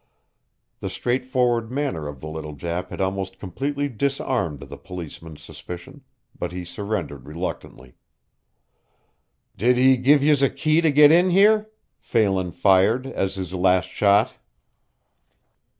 The straightforward manner of the little Jap had almost completely disarmed the policeman's suspicion, but he surrendered reluctantly. "Did he give yez a key to get in here?" Phelan fired as his last shot.